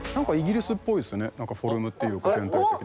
フォルムっていうか全体的な。